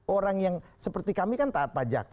orang yang seperti kami kan tak ada pajak